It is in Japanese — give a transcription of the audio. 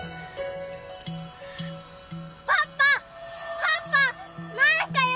パパ！